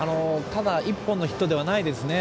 ただ、１本のヒットではないですね。